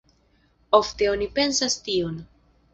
Ofte oni pensas tion.